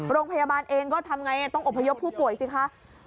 โรงพยาบาลเองก็ทำไงต้องอบพยพผู้ป่วยสิคะ